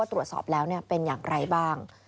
ตรวจสอบแล้วเป็นอย่างไรบ้าง